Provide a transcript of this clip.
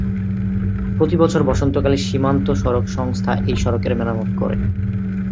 প্রতি বছর বসন্তকালে সীমান্ত সড়ক সংস্থা এই সড়কের মেরামত করে।